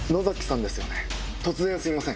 突然すいません